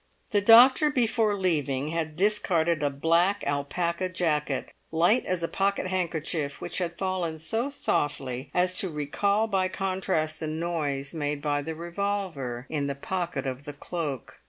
The doctor before leaving had discarded a black alpaca jacket, light as a pocket handkerchief, which had fallen so softly as to recall by contrast the noise made by the revolver in the pocket of the cloak.